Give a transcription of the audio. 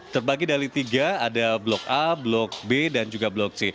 terbagi dari tiga ada blok a blok b dan juga blok c